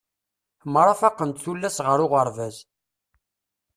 Mrafaqent tullas ɣer uɣerbaz.